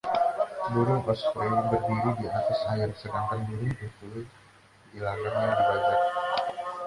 Burung osprey berdiri di atas air, sedangkan burung kuntul di ladang yang dibajak.